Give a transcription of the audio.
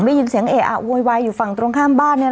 ได้ยินเสียงเอกอ๋าโุบริวัยอยู่ฝั่งตรงข้ามบ้าน